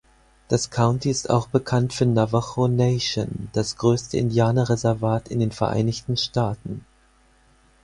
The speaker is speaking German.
Das County ist auch bekannt für Navajo-Nation, das größte Indianerreservat in den Vereinigten Staaten.